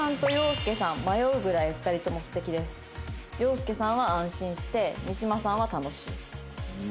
「庸介さんは安心して三島さんは楽しい」。